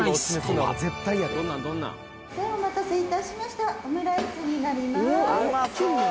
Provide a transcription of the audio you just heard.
はいお待たせいたしましたオムライスになります